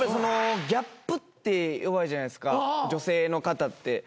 ギャップって弱いじゃないですか女性の方って。